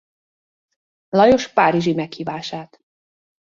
Lajos párizsi meghívását.